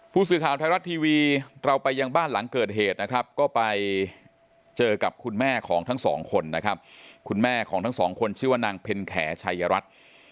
ผู้สื่อข่าวไทยรัฐทีวีเราไปยังบ้านหลังเกิดเหตุนะครับก็ไปเจอกับคุณแม่ของทั้งสองคนนะครับคุณแม่ของทั้งสองคนชื่อว่านางเพ็ญแขชัยรัฐ